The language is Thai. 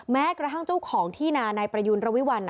แม้กระทั่งเจ้าของที่นานายประยูณระวิวัล